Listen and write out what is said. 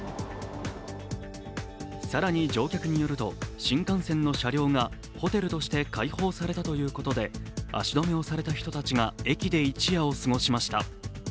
更に乗客によると、新幹線の車両がホテルとして解放されたということで足止めをされた人たちが駅で一夜を過ごしました。